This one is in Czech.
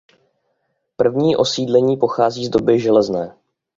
První osídlení pochází z doby železné.